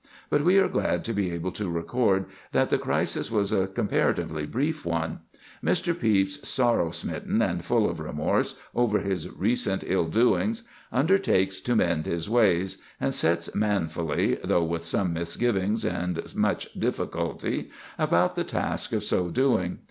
But we are glad to be able to record that the crisis was a comparatively brief one. Mr. Pepys, sorrow smitten and full of remorse over his recent ill doings, undertakes to mend his ways, and sets manfully, though with some misgivings and much difficulty, about the task of so doing.